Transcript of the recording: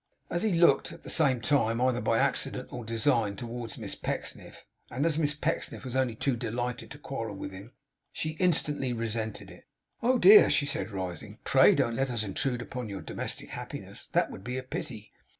As he looked, at the same time, either by accident or design, towards Miss Pecksniff; and as Miss Pecksniff was only too delighted to quarrel with him, she instantly resented it. 'Oh dear!' she said, rising. 'Pray don't let us intrude upon your domestic happiness! That would be a pity.